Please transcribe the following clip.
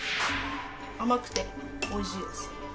甘くておいしいです。